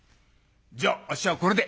じゃあっしはこれで」。